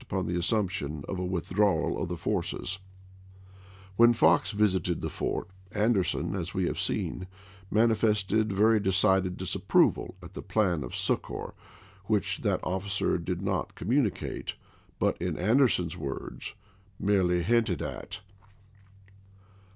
m ' upon the assumption of a withdrawal of the forces. MaSi'sei. When Fox visited the fort, Anderson, as we have i.' pp. 209/ 210 seen, manifested very decided disapproval at the Anderson plan of succor which that officer did not communi Mar.22,1861! cate, but, in Anderson's words, " merely hinted at."